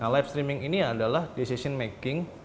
live streaming ini adalah decision making